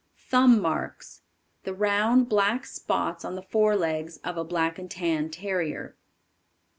Thumb Marks. The round, black spots on the forelegs of a Black and tan Terrier.